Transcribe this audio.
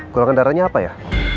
golongan darahnya apa ya